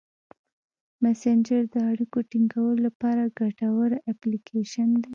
مسېنجر د اړیکو ټینګولو لپاره ګټور اپلیکیشن دی.